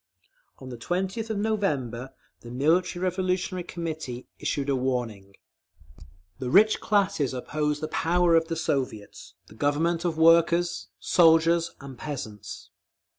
On the 20th of November the Military Revolutionary Committee issued a warning: The rich classes oppose the power of the Soviets—the Government of workers, soldiers and peasants.